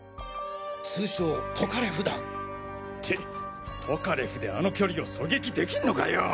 通称トカレフ弾。ってトカレフであの距離を狙撃できんのかよ！